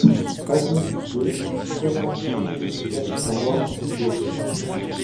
Avenue du Pouey, soixante-cinq mille quatre cent vingt Ibos